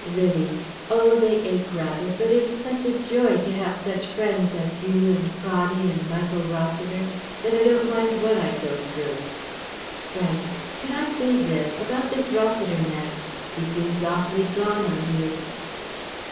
Vivie: "Oh, they ache rather, but it is such joy to have such friends as you and Praddy and Michael Rossiter, that I don't mind what I go through..." Frank: "But I say, Viv, about this Rossiter man. He seems awfully gone on you...?"